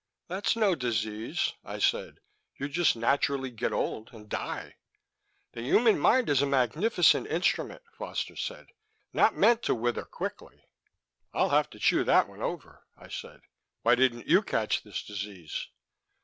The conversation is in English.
"That's no disease," I said. "You just naturally get old and die." "The human mind is a magnificent instrument," Foster said, "not meant to wither quickly." "I'll have to chew that one over," I said. "Why didn't you catch this disease?"